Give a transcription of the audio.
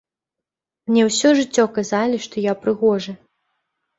Мне ўсё жыццё казалі, што я прыгожы.